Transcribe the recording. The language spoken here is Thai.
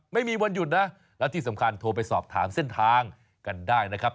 ไม่มีวันหยุดนะแล้วที่สำคัญโทรไปสอบถามเส้นทางกันได้นะครับ